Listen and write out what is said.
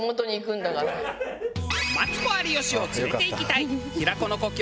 マツコ有吉を連れていきたい平子の故郷